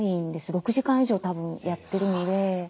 ６時間以上たぶんやってるので。